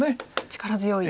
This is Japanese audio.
力強い。